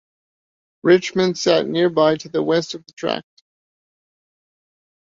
Richmond sat nearby to the west of the tract.